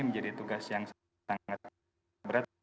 menjadi tugas yang sangat berat